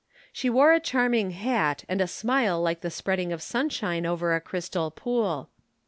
She wore a charming hat and a smile like the spreading of sunshine over a crystal pool.